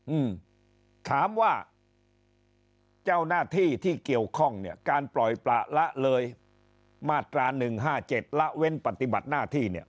อืมถามว่าเจ้านาที่ที่เกี่ยวข้องเนี่ยการปล่อยปล่าละเลยมาตรา๑๕๗๗แล้วเพื่อนปฏิบัติหน้าที่เนี่ย